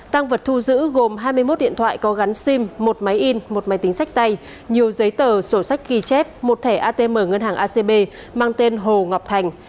tăng vật thu giữ gồm hai mươi một điện thoại có gắn sim một máy in một máy tính sách tay nhiều giấy tờ sổ sách ghi chép một thẻ atm ngân hàng acb mang tên hồ ngọc thành